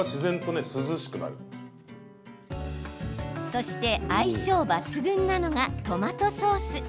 そして、相性抜群なのがトマトソース。